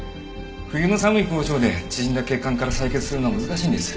冬の寒い工場で縮んだ血管から採血するのは難しいんです。